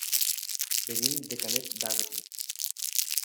Venim de Canet d'Adri.